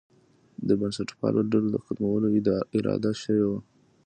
د بنسټپالو ډلو د ختمولو اراده شوې وه.